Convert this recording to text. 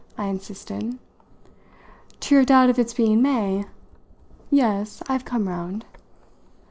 I insisted. "To your doubt of its being May? Yes I've come round."